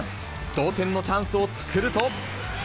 同点のチャンスを作ると。